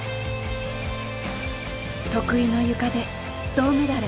得意のゆかで銅メダル。